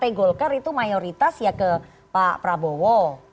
partai golkar itu mayoritas ya ke pak prabowo